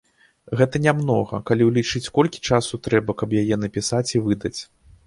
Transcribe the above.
Гэта нямнога, калі ўлічыць, колькі часу трэба, каб яе напісаць і выдаць!